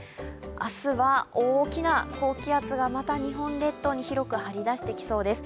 明日は大きな高気圧がまた日本列島に広く張り出してきそうです。